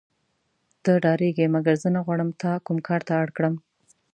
ته ډارېږې مګر زه نه غواړم تا کوم کار ته اړ کړم.